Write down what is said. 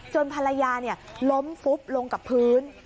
ภรรยาล้มฟุบลงกับพื้น